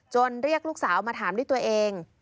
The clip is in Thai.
เรียกลูกสาวมาถามด้วยตัวเอง